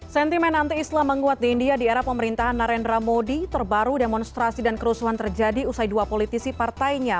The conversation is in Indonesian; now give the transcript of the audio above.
sentimen anti islam menguat di india di era pemerintahan narendra modi terbaru demonstrasi dan kerusuhan terjadi usai dua politisi partainya